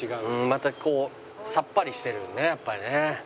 またこうさっぱりしてるやっぱりね。